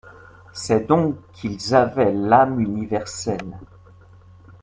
C'est donc qu'ils avaient l'âme universelle.